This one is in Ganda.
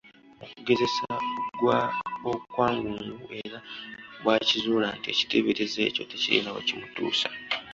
Okugezesa okwangungu era bw’akizuula nti ekiteeberezo ekyo tekirina we kimutuusa.